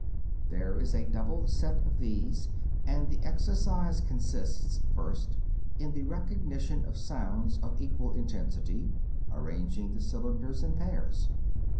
There is a double act of these, and the exercise consists, first, in the recognition of sounds of equal intensity, arranging the cylinders in pairs.